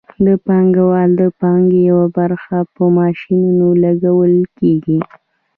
د پانګوال د پانګې یوه برخه په ماشینونو لګول کېږي